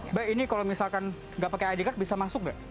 mbak ini kalau misalkan nggak pakai id card bisa masuk nggak